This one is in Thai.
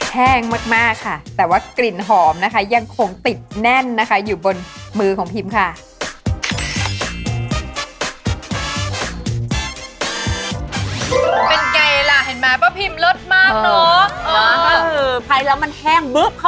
แห้งมากค่ะแต่ว่ากลิ่นหอมนะคะยังคงติดแน่นนะคะอยู่บนมือของพิมค่ะ